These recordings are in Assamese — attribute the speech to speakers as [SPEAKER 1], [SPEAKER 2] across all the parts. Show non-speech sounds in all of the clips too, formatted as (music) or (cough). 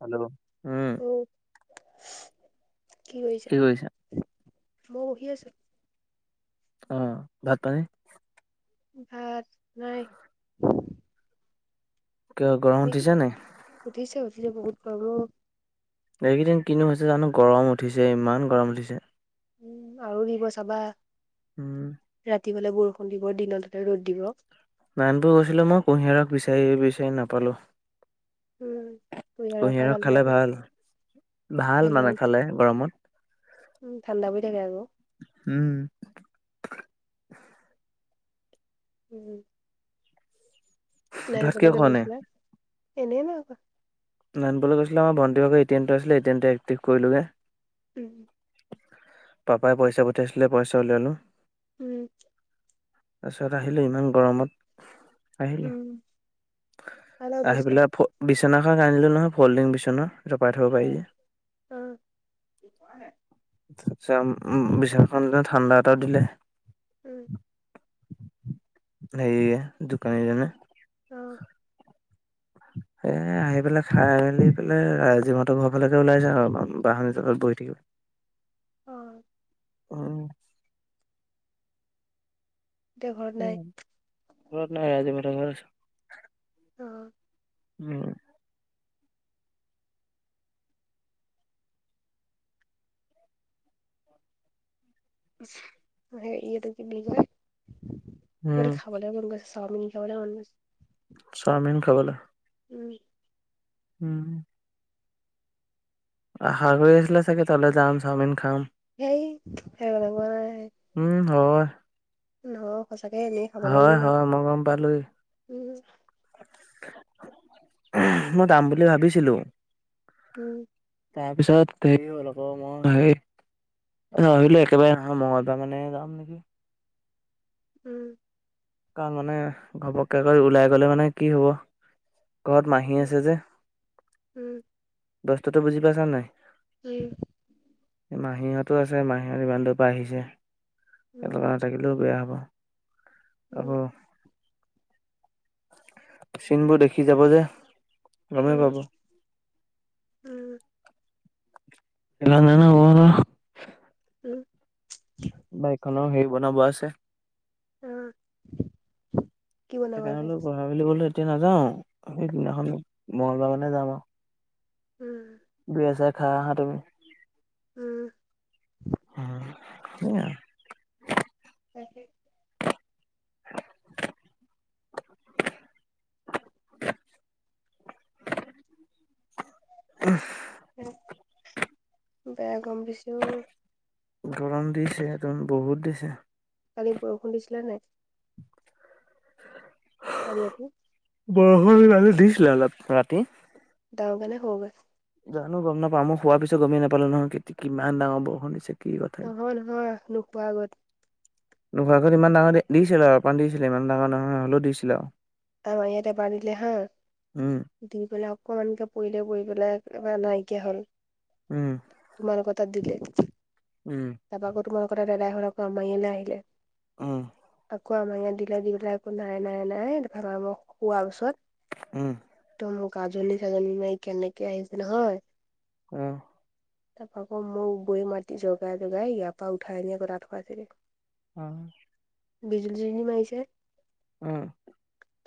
[SPEAKER 1] হেল্ল' উম্
[SPEAKER 2] অ কি কৰিছা মই বহি আছো
[SPEAKER 1] অ ভাত পানী?
[SPEAKER 2] ভাত নাই।
[SPEAKER 1] কিয় গৰম উঠিছে নাই?
[SPEAKER 2] বি বহুত গৰম অ'
[SPEAKER 1] এইকেইদিন কিনো হৈছে জানো গৰম উঠিছে ইমান গৰম উঠিছে।
[SPEAKER 2] উম আৰু দিব চাবা।
[SPEAKER 1] উম্
[SPEAKER 2] ৰাতি হ'লে বৰষুণ দিব দিনত হ'লে ৰ'দ দিব।
[SPEAKER 1] লাইন টো গৈছিলো মই কুঁহিয়াৰ ৰস বিচাৰি বিচাৰি নাপালোঁ।
[SPEAKER 2] উম
[SPEAKER 1] কুঁহিয়াৰ ৰস খালে ভাল। ভাল মানে খালে গৰমত।
[SPEAKER 2] উ ঠাণ্ডা হৈ থাকে আকৌ।
[SPEAKER 1] উম
[SPEAKER 2] উম্ নাই প
[SPEAKER 1] ভাত কিয়
[SPEAKER 2] কেনে
[SPEAKER 1] খোৱা নাই
[SPEAKER 2] গৈছিলে এনেই নাই কোৱা।
[SPEAKER 1] নানিবলৈ কৈছিলে আমাৰ ভণ্টিভাগ এ ট এম আছিলে এট এম এক্টিভ কৰিলোগে।
[SPEAKER 2] উম্
[SPEAKER 1] পাপাই পইচা পঠিয়াইছিলে পইচা উলিয়ালো।
[SPEAKER 2] উম্
[SPEAKER 1] তাৰপিছত আহিলোঁ ইমান গৰমত। আহিলো
[SPEAKER 2] উম কাৰ লগত
[SPEAKER 1] আহি
[SPEAKER 2] গৈছিলা
[SPEAKER 1] পেলাই বিচনাখন আনিলো নহয় ফল্ডিং বিচনা। জপাই থব
[SPEAKER 2] অ
[SPEAKER 1] পাৰি যে।
[SPEAKER 2] অ
[SPEAKER 1] তাৰপিছত বিশছনাখন দিনা ঠাণ্ডা এটাও দিলে।
[SPEAKER 2] উম্।
[SPEAKER 1] সে দোকানীজনে।
[SPEAKER 2] অ। (unintelligible)
[SPEAKER 1] এ আহি পেলাই খাই মেলি পেলাই ৰজিপ ঘৰ ফালেকে ওলাই যা আৰু বাহনি তলত বহি থাকিব।
[SPEAKER 2] (unintelligible)
[SPEAKER 1] উম্।
[SPEAKER 2] এতিয়া ঘৰত নাই
[SPEAKER 1] খব নাই আজি মই বেলেগ ঘৰত আছো।
[SPEAKER 2] অ
[SPEAKER 1] উম।
[SPEAKER 2] স ইটো কি বুলি কয় কিবা
[SPEAKER 1] উম,
[SPEAKER 2] খাবলৈ মন গৈছে। চাওমিন খাবলৈ মন গৈছে।
[SPEAKER 1] চাওমিন খাবলৈ।
[SPEAKER 2] উম।
[SPEAKER 1] হম। আশা কৰি আছিলে চাগে তালে যাম চাওমিন খাম।
[SPEAKER 2] সেই সেব ল নে।
[SPEAKER 1] অ।
[SPEAKER 2] নহ সঁচাকে এনেই খাবলৈ মন কৰিছে
[SPEAKER 1] মই গম পালোৱেই।
[SPEAKER 2] উম।
[SPEAKER 1] মই যাম বুলি ভাবিছিলো।
[SPEAKER 2] উম।
[SPEAKER 1] তাৰপিছত সেই অল আকৌ মই আহেই। আহ আহিলো একেবাৰে নহয় মঙলবাৰ মানে যাম নেকি?
[SPEAKER 2] উম।
[SPEAKER 1] কাৰণ মানে ঘপকে কৰি ওলাই গলে মানে কি হব। ঘৰত মাহী
[SPEAKER 2] উম
[SPEAKER 1] আছে যে
[SPEAKER 2] উম
[SPEAKER 1] বস্তুতো বুজি পাইছা নাই।
[SPEAKER 2] উম।
[SPEAKER 1] মাহীহঁতো আছে মাহীহঁত ইমান দূৰ পৰা আহিছে সিহঁতৰ লগত নাথাকিলেও বেয়া হব। অ।
[SPEAKER 2] উম
[SPEAKER 1] চিনবোৰ দেখি যাব যে। গমেই
[SPEAKER 2] উম
[SPEAKER 1] পাব
[SPEAKER 2] উম।
[SPEAKER 1] এল নান হোৱা।
[SPEAKER 2] উম (inaudible)
[SPEAKER 1] বাইকখনৰ হেৰি বনাব আছে (unintelligible)
[SPEAKER 2] আহ। কি বনাব আছে
[SPEAKER 1] সেইকাৰণে গ়েল কলেও এতিয়া নাযাও সেইদিনাখন মঙলবাৰ মানে যাম আৰু (unintelligible)
[SPEAKER 2] উম
[SPEAKER 1] দুই আছা চাই খাই আহা তুমি
[SPEAKER 2] উম
[SPEAKER 1] হুম। ন (unintelligible)
[SPEAKER 2] তাকে (unintelligible)
[SPEAKER 1] (unintelligible) উম হ (unintelligible)
[SPEAKER 2] বেয়া গৰম দিছে অও।
[SPEAKER 1] গৰম দিছেটো বহুত দিছে।
[SPEAKER 2] কালি বৰষুণ দিছিলে নাই। কালি ৰাতি
[SPEAKER 1] বৰষুণ দিছিলে অলপ ৰাতি।
[SPEAKER 2] ডাঙৰকে নে সৰুকে।
[SPEAKER 1] জানো গম নাপাওঁ মই শুৱা পিছত গমেই নাপালো নহয় কেতি (unintelligible) কিমান ডাঙৰ বৰষুণ দিছে। কি কথা
[SPEAKER 2] নহয়-নহয় নোশুৱা আগত।
[SPEAKER 1] নোশুৱা আগত ইমান ডাঙৰ দিছিলে অকণমান দিছিলে ইমান ডাঙৰ নহয় হ'লেও দিছিলে আৰু
[SPEAKER 2] আমাৰ ইয়াতে বাঢ়িলে হা
[SPEAKER 1] উম
[SPEAKER 2] দি পেলাই অকমানকে পৰিলে পৰি পেলাই। এবাৰ নাইকিয়া হ'ল।
[SPEAKER 1] উম
[SPEAKER 2] (inaudible) তোমালোকৰ তাত দিলে তাৰপৰা আকৌ তোমালোকৰ তাত (unintelligible) (unintelligible) আমাৰ এইয়ালৈ আহিলে (inaudible)
[SPEAKER 1] উম (unintelligible)
[SPEAKER 2] আকৌ আমাৰ ইয়াত দিলে দি পেলাই একো নাই নাই নাই মই শোৱা পিছত (unintelligible)
[SPEAKER 1] উম (unintelligible)
[SPEAKER 2] একদম গাজনি-চাজনি মাৰি কেনেকে আহিছে নহয় (unintelligible)
[SPEAKER 1] আহ (inaudible)
[SPEAKER 2] তাৰপৰা আকৌ মোক বৌৱে মাতি জগাই-জগাই ইয়াৰ পৰা উঠাই নি আকৌ তাত শোৱাইছেগে (unintelligible)
[SPEAKER 1] উম (unintelligible)
[SPEAKER 2] বিজুলী-চিজুলী মাৰিছে (unintelligible)
[SPEAKER 1] উম (unintelligible)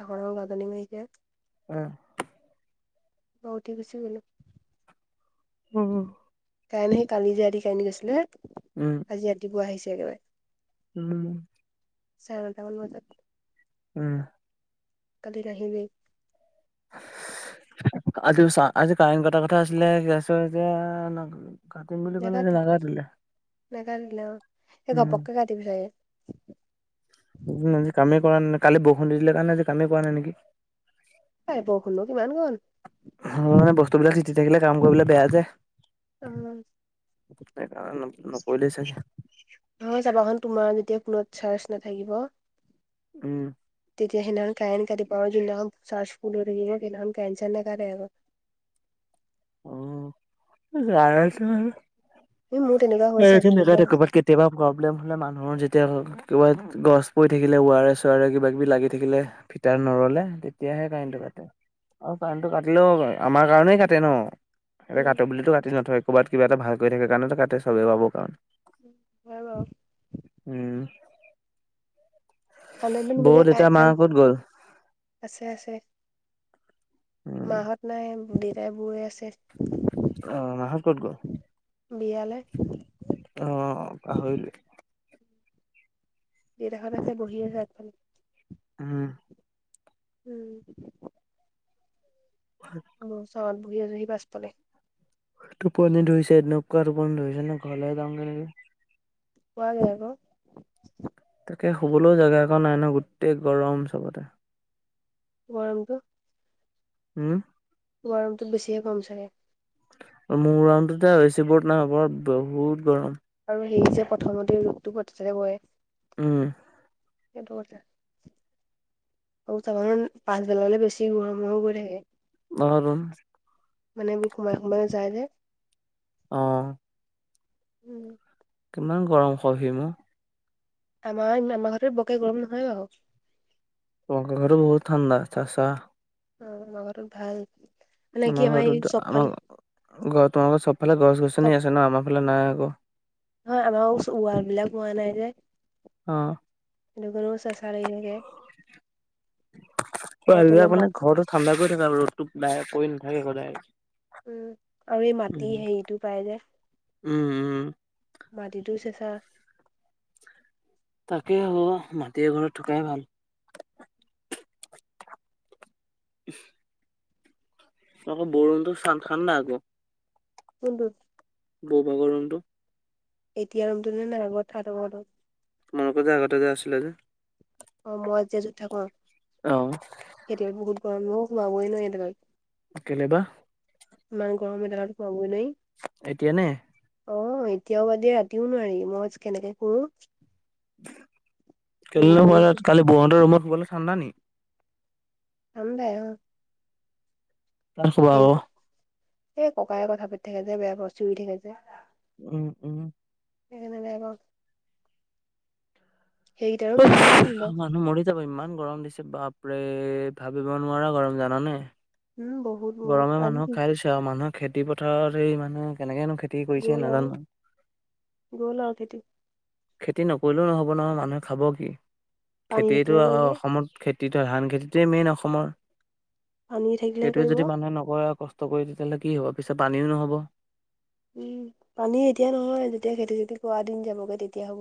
[SPEAKER 2] ডাঙৰ-ডাঙৰ গাজনী মাৰিছে। (unintelligible)
[SPEAKER 1] আহ (inaudible)
[SPEAKER 2] (unintelligible) উঠি আছে। (unintelligible)
[SPEAKER 1] উম (inaudible)
[SPEAKER 2] কাৰেণ্ট সেই কালি যে ৰাতি কাৰেণ্ট গৈছিলে আজি ৰাতিপুৱা আহিছে একেবাৰে (unintelligible)
[SPEAKER 1] উম (inaudible)
[SPEAKER 2] চাৰে নটা মান বজাত
[SPEAKER 1] উম (unintelligible)
[SPEAKER 2] কালি নাহিলেই (unintelligible)
[SPEAKER 1] আজিও চা আজি কাৰেণ্ট কটা কথা আছিলে কি আছ এতিয়া (unintelligible) কাটিম বুলি কলে
[SPEAKER 2] নাকাটি
[SPEAKER 1] নাকাটিলে
[SPEAKER 2] নাকাটিলে অ
[SPEAKER 1] (inaudible)
[SPEAKER 2] এই
[SPEAKER 1] উম (unintelligible)
[SPEAKER 2] ঘপককে কাটিব চাগে
[SPEAKER 1] ওম আজি কামেই কৰা নাই কালি বৰষুণ দি দিলে কাৰণে আজি কামেই কৰা নাই নেকি?
[SPEAKER 2] তাই প খন কিমান কন
[SPEAKER 1] তবাকি থিলে কাম কৰিবলৈ বেয়া যায়।
[SPEAKER 2] উম।
[SPEAKER 1] ন- নকৰিলেই চাগে
[SPEAKER 2] অ যাবাখন তোমাৰ যেতিয়া কোনত চাৰ্চ নাথাকিব।
[SPEAKER 1] উম।
[SPEAKER 2] তেতিয়া সেইদিনাখন কাৰেণ্ট কাটিব চাৰ্জ ফুল হৈ থাকিলে কাৰেণ্ট সাৰেন্ত নাকাটে ক। (inaudible)
[SPEAKER 1] ৰাছ (unintelligible)
[SPEAKER 2] এই মোৰ তেনেকুৱা হৈছে বহুতবাৰ।
[SPEAKER 1] কবাত কেতিয়াবা প্ৰব্লেম হলে মানুহৰ যেতিয়া। কিবাত গছ পৰি থাকিলে ৱাৰে চোৱাৰে কিবা কিবি লাগি থাকিলে ফিতাৰ নৰলে। তেতিয়াহে কাৰেণ্টটো কাটে আৰু কাৰেণ্টটো কাটিলেও আমাৰ কাৰণেই কাটে ন। এ কাটোলো কাটি নথয় ক'ৰবাত কিবা এটা ভাল কৰি থাকে কাৰণো কাটে চবেই পাব কাৰণ।
[SPEAKER 2] হৈ বাৰু।
[SPEAKER 1] উম
[SPEAKER 2] আড বিন
[SPEAKER 1] বৌ
[SPEAKER 2] বজে
[SPEAKER 1] দেউতা
[SPEAKER 2] কাৰ
[SPEAKER 1] মা
[SPEAKER 2] থন
[SPEAKER 1] ক'ত গ'ল
[SPEAKER 2] আছে আছে। (unintelligible)
[SPEAKER 1] উম
[SPEAKER 2] মাহঁত নাই দেউতাই বৌৱে আছে।
[SPEAKER 1] অ মাহ কত গল।
[SPEAKER 2] বিয়ালে।
[SPEAKER 1] অ পাহৰিলোৱে
[SPEAKER 2] গদিখন আছে বহি আছে এখন
[SPEAKER 1] উম।
[SPEAKER 2] উম। কিজ। অ চান বহ আছে বচ তলে (unintelligible)
[SPEAKER 1] টোপনি ধুইছে এনেকুৱা টোপনি ধৰিছে নে ঘৰলে যাওঁগে নিকি।
[SPEAKER 2] পোৱা যায় ক।
[SPEAKER 1] তাকে শুবলৈও জেগা অকণ নাই ন গোটেই গৰম চবতে।
[SPEAKER 2] গৰমটো।
[SPEAKER 1] উম।
[SPEAKER 2] গৰমতো বেছিহে কম চাগে।
[SPEAKER 1] মৰামটোো এ বেছি বত নাই হ'ব বহুত গৰম।
[SPEAKER 2] সেই যে প্ৰথমতে ৰূপটোতে গয়।
[SPEAKER 1] উম।
[SPEAKER 2] । (unintelligible) উ ত কাৰণ পাছবেল গলে বছি গৰম কৰে।
[SPEAKER 1] (unintelligible)
[SPEAKER 2] মানে কুমাইাৰ যায়জে (unintelligible)
[SPEAKER 1] অ।
[SPEAKER 2] উম
[SPEAKER 1] কিমান গৰম চহিম অ
[SPEAKER 2] আমাৰ মামাহঁতৰ ঘৰতে বৰকে গৰম নহৈ আৰু।
[SPEAKER 1] তোমালোকৰ ঘৰত বহুত ঠাণ্ডা চেচা।
[SPEAKER 2] অ আমাৰ ঘৰটো ভাল। মানে কি
[SPEAKER 1] আমাৰ
[SPEAKER 2] এই
[SPEAKER 1] ঘৰৰতো
[SPEAKER 2] চবফালে
[SPEAKER 1] আমাৰ ঘ তোমাৰ ঘৰত চবফালে গছ
[SPEAKER 2] চব
[SPEAKER 1] গছনি আছে ন আমাৰ ফালে নাই। অহ
[SPEAKER 2] নহয় আমাৰ ৱাল বিলাক হোৱা নাই যে।
[SPEAKER 1] আহ্
[SPEAKER 2] চেচা লাগি থাকে। আৰু
[SPEAKER 1] পোৱা লৈকে
[SPEAKER 2] তলৰ মাত
[SPEAKER 1] অকনমান ঘৰতটো ঠাণ্ডা কৰি থাকে আৰু ৰ'দটো কৰি নাথাকে সদায়।
[SPEAKER 2] উম আৰু এই মাটি
[SPEAKER 1] উম
[SPEAKER 2] হেৰিটো পাই যে।
[SPEAKER 1] উম উম
[SPEAKER 2] মাটিতো চেঁচা।
[SPEAKER 1] তাকে অ তাতকে ঘৰত থকাই ভাল। আকৌ বৰণটো চান খান্ ন আকৌ
[SPEAKER 2] কোনোটোত
[SPEAKER 1] বৌবা গৰমটো
[SPEAKER 2] এতিয়া ৰমটোনে (unintelligible)
[SPEAKER 1] মনে ক যে জগাটা যে আছিলে যে
[SPEAKER 2] অ মই যে য'ত থাকো
[SPEAKER 1] অ
[SPEAKER 2] খেতিয় বহুত গৰম বহ সোমাবই নহ এনোলৈকে (unintelligible)
[SPEAKER 1] কেলেবা
[SPEAKER 2] মানং গৰমিলা খোৱা (unintelligible)
[SPEAKER 1] এতিয়া নে?
[SPEAKER 2] অ এতিয়াও বাদিয়া ৰাতিও নোৱাৰি মজ কেনেকে কৰো
[SPEAKER 1] কে কালি বৈও হতৰ ৰুমত শুবলৈ ঠাণ্ডা নেকি (unintelligible)
[SPEAKER 2] উম
[SPEAKER 1] কি খাবা আৰু?
[SPEAKER 2] এই ককায়ে কথা পাতি থাকে যায় বেয়া বস্তু দি থাকে যে
[SPEAKER 1] উম উম
[SPEAKER 2] এখনোই (unintelligible) ঠাণ্ডা ঠাণ্ডা
[SPEAKER 1] মানুহ মৰি যাব ইমান গৰম দিছে বাপ বাপৰে ভাবিব নোৱাৰা গৰম জানানে।
[SPEAKER 2] উম বহুত বহুত
[SPEAKER 1] গৰমে
[SPEAKER 2] আজি
[SPEAKER 1] মানুহক
[SPEAKER 2] কি
[SPEAKER 1] খাই দিছে আৰু মানুহে খেতি পথাৰত সেই মানে কেনেকুৱা নু খেতি কৰিছে
[SPEAKER 2] গ'ল আৰু
[SPEAKER 1] নাজানো।
[SPEAKER 2] গ'ল আৰু খেতি
[SPEAKER 1] খেতি নকৰিলেও নহ'ব নহয় মানুহে খাব কি
[SPEAKER 2] পানী
[SPEAKER 1] খেতিয়েইটো
[SPEAKER 2] থাকিলে কৰিব
[SPEAKER 1] অসমত খেতি। খেতি ধান খেতিটোৱে মেইন অসমৰ।
[SPEAKER 2] আ।
[SPEAKER 1] এইটোৱে যদি মানুহে নকৰে কষ্ট কৰি তেতিয়াহ'লে কি হব পিছত পানীও নহব।
[SPEAKER 2] উম পানী এতিয়া নহয় যেতিয়া খেতি চেতি কৰা দিন যাবগে তেতিয়া হ'ব।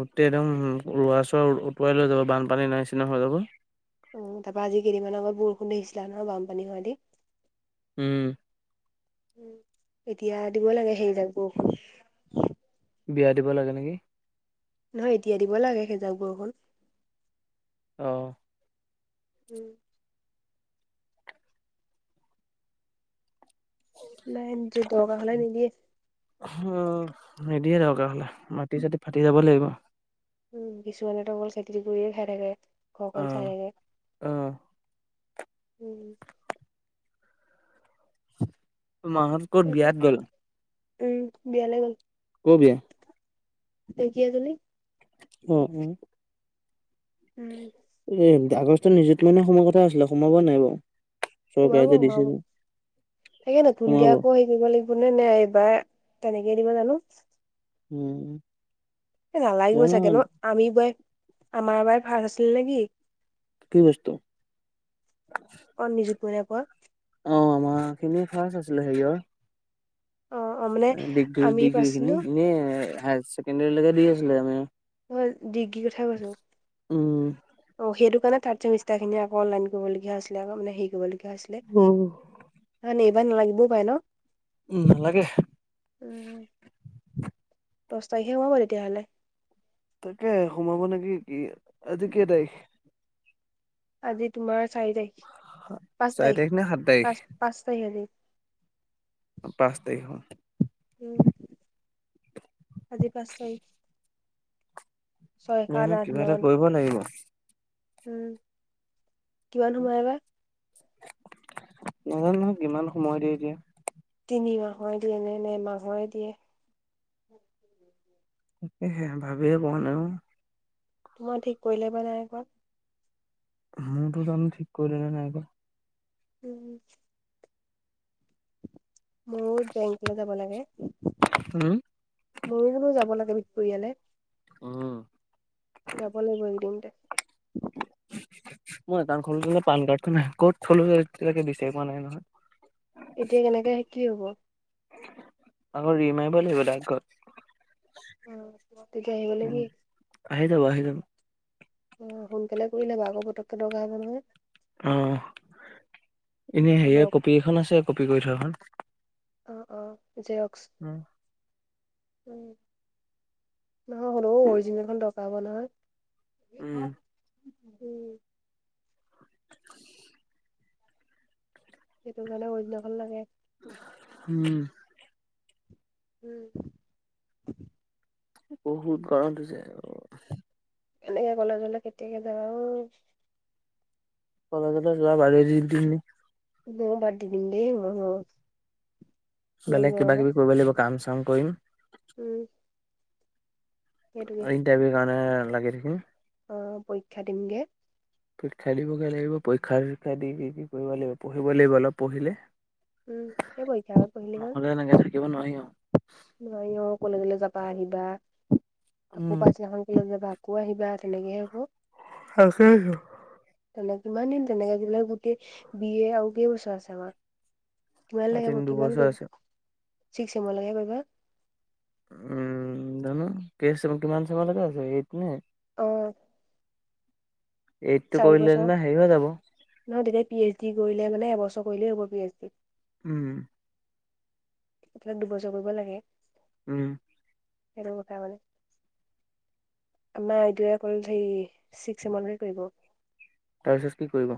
[SPEAKER 1] গোটেই একদম ৰোৱা চোৱা উটুৱাই লৈ যাব বানপানীৰ নিচিনা হৈ যাব।
[SPEAKER 2] উ তাৰ পৰাৰা আজি কেইদিনমান আগত বৰষুণ দে আহিছিলা নহ বানপানী হোৱ দি।
[SPEAKER 1] উম
[SPEAKER 2] এতিয়া দিব লাগে সেই জাক বৰষুণ।
[SPEAKER 1] বিয়া দিব লাগে নেকি?
[SPEAKER 2] নহয় এতিয়া দিব লাগে সেইজাক বৰষুণ
[SPEAKER 1] অ।
[SPEAKER 2] উম। নাই নিজে (unintelligible) নিদিয়ে
[SPEAKER 1] উম, নিদিয়ে দৰকাৰ হলে মাটি চাটি ফাটি যাব লাগিব।
[SPEAKER 2] উম কিছুমানেতো অকল খেতি কৰিয়ে খাই থাকে ঘৰখন চাই থাকে। হম।
[SPEAKER 1] মাহত ক'ত বিয়াত গ'ল?
[SPEAKER 2] উম বিয়ালে গ'ল।
[SPEAKER 1] ক'বিয়া?
[SPEAKER 2] ঢেকীয়াজুলি
[SPEAKER 1] উম উম
[SPEAKER 2] উম
[SPEAKER 1] আগষ্টত নিজুত মইনা সোমোৱা কথা আছিলে সোমাব নাই বাৰু?
[SPEAKER 2] সোমাব
[SPEAKER 1] চৰকাৰে যে দিছে
[SPEAKER 2] সোমাব
[SPEAKER 1] যে
[SPEAKER 2] তাকে নতুনকে
[SPEAKER 1] সোমাব?
[SPEAKER 2] আকৌ হেৰি কৰিব লাগিব নে নাই এইবাৰ তেনেকে দিব‌ নানো।
[SPEAKER 1] উম।
[SPEAKER 2] এ নালাগিবই
[SPEAKER 1] জানো
[SPEAKER 2] চাগে ন আমিবই আমাৰ বাৰ ফাৰ্ষ্ (unintelligible) আছিল নেকি
[SPEAKER 1] কি বস্তু?
[SPEAKER 2] অ নিযুত মইনা পোৱা।
[SPEAKER 1] অ আমাৰ খিনি ফাৰচ আছিলে হেৰিয়ৰ
[SPEAKER 2] অ অ মানে
[SPEAKER 1] ডিগ্ৰী
[SPEAKER 2] আমি
[SPEAKER 1] ডিগ্ৰী খিনি
[SPEAKER 2] পাইছিলো
[SPEAKER 1] এনে হাই ছেকেণ্ডাৰীলেকে দি আছিলে তাৰ
[SPEAKER 2] দিগ
[SPEAKER 1] উম
[SPEAKER 2] অ সেইটো কাৰণে থাৰ্ড চেমিষ্টাৰ খিনি আক অনলাইন কৰিবলগীয়া হৈছিলে মানে আক হেৰি কৰিবলগীয়া ছিলে
[SPEAKER 1] উম,
[SPEAKER 2] নানে এইবাৰ নালাগিবও পাই ন
[SPEAKER 1] উ নালাগে
[SPEAKER 2] উম দহ তাৰিখে সোমাব তেতিয়াহলে
[SPEAKER 1] তাকে সোমাব নেকি কি আজি কেই তাৰিখ
[SPEAKER 2] আজি তোমাৰ চাৰি তাৰিখ পাঁচ
[SPEAKER 1] চাৰি
[SPEAKER 2] তাৰিখ
[SPEAKER 1] নে সাত তাৰিখ
[SPEAKER 2] পাঁচ পাঁচ তাৰিখ আজি।
[SPEAKER 1] পাঁচ তাৰিখ
[SPEAKER 2] উম আজি পাঁচ তাৰিখ। চয়খান
[SPEAKER 1] জানো কিবা এটা
[SPEAKER 2] আৰনান
[SPEAKER 1] কৰিব লাগিব।
[SPEAKER 2] উম কিমান সময় এবাৰ।
[SPEAKER 1] নাজানো নহয় কিমান সময় দিয়ে এতিয়া।
[SPEAKER 2] তিনি মাহ দিয়ে নে নে এমাহৰে দিয়ে।
[SPEAKER 1] তাকেহে ভাবিয়ে পোৱা নাই।
[SPEAKER 2] তোমাৰ ঠিক কৰিলে বা নাই কৰা।
[SPEAKER 1] মোৰটো জানো ঠিক কৰিলে নে নাই কৰা।
[SPEAKER 2] উম ময়ো বেংকলৈ যাব লাগে মোৰো বোলো যাব লাগে পৰিয়ালে
[SPEAKER 1] অম
[SPEAKER 2] যাব লাগিব এইকেইদিনতে
[SPEAKER 1] মোৰ একাউণ্ট খন পান কাৰ্ডখন ক'ত থ জানো এতিয়ালৈকে বিচাৰি পোৱা নাই নহয়।
[SPEAKER 2] এতিয়া কেনেকে শ কি হব?
[SPEAKER 1] আকৌ ৰিমাৰিব লাগিব ডাইৰেক্ট গৈ।
[SPEAKER 2] (unintelligible)
[SPEAKER 1] বাহিদ
[SPEAKER 2] অ সোনকালে কৰি লবা আকৌ পতককে দৰকাৰ হব নহয়।
[SPEAKER 1] আহ এনে হেৰিয়া কপি এখন আছে কপি কৰি থোৱাখন
[SPEAKER 2] অ অ অ জেৰক্স নহয় হ'লে অৰিজিনেলখন দৰকাৰ হ'ব নহয়। উম। সেইটো কাৰণে অৰিজিনেলখন লাগে।
[SPEAKER 1] উম।
[SPEAKER 2] উম।
[SPEAKER 1] বহুত গৰম উঠিছে।
[SPEAKER 2] এনেকে কলেজলে কেতিয়াকে যাব অ।
[SPEAKER 1] কলেজলে যোৱা বাদেই দি দিম নিকি।
[SPEAKER 2] মইও বাদ দি দিম দেই ইমান গৰমত।
[SPEAKER 1] বেলেগ কিবা কিবি কৰিব লাগিব কাম চাম কৰিম।
[SPEAKER 2] উম।
[SPEAKER 1] ইণ্টাৰভিউ কাৰণে লাগি থাকিম।
[SPEAKER 2] আহ পৰীক্ষা দিমগে।
[SPEAKER 1] পৰীক্ষা দিবগে লাগিব পৰীক্ষা চৰূপক্ষা দি কৰিব লাগিব পঢ়িব লাগিব অলপ পঢ়িলে।
[SPEAKER 2] উম, সেইবোৰেই আৰু পঢ়িলেই হল।
[SPEAKER 1] নহ'লে এনেকে থাকিব নোৱাৰি আও।
[SPEAKER 2] নোৱাৰি অ কলেজলৈ যাবা আহিবা।। আকৌ
[SPEAKER 1] উম,
[SPEAKER 2] পাছদিনাখন কলেজ যাবা, আকৌ আহিবা তেনেকেহে হ'ব।
[SPEAKER 1] তাকেইতো।
[SPEAKER 2] তেনে কিমান দিন তেনেকে বিলাক গোটেই বিয় আৰু কেইবছৰ আছে আমাক। কিমান
[SPEAKER 1] আৰু
[SPEAKER 2] লগাব
[SPEAKER 1] তিনি
[SPEAKER 2] কিমান
[SPEAKER 1] দুবছৰ আছে।
[SPEAKER 2] কৰিব, চিক্স ছেমৰ লেকে কৰিব।
[SPEAKER 1] উম, জানো কে কিমান চন লৈকে আছে এইটো নে।
[SPEAKER 2] আহ।
[SPEAKER 1] এইটটো
[SPEAKER 2] চাৰি
[SPEAKER 1] কৰিলে
[SPEAKER 2] বছৰ,
[SPEAKER 1] যেনিবা হেৰি হৈ যাব।
[SPEAKER 2] নহয় তেতিয়া পি এইচ ডি কৰিলে মানে এবছৰ কৰিলেই হব পি এইচ ডি।
[SPEAKER 1] উম।
[SPEAKER 2] এইবিলাক দুবছৰ কৰিব লাগে।
[SPEAKER 1] উম।
[SPEAKER 2] সেইটো কথা মানে। আমাৰ আইডে অল হে ছিক্স ছেম লেকে কৰিব।
[SPEAKER 1] তাৰপিছত কি কৰিব।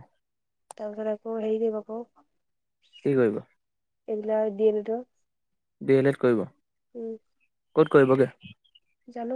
[SPEAKER 2] তাৰ পিছত আকৌ হেই কৰিব ক।
[SPEAKER 1] কি কৰিব।
[SPEAKER 2] কি বুলি কয় দি এ লেটৰ।
[SPEAKER 1] ডি এল এড কৰিব।
[SPEAKER 2] উম।
[SPEAKER 1] ক'ত কৰিবগে?
[SPEAKER 2] জানো